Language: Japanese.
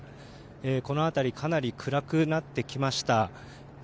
この辺りかなり暗くなってきました。